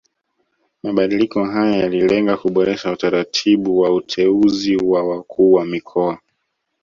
Mabadiliko haya yalilenga kuboresha utaratibu wa uteuzi wa wakuu wa mikoa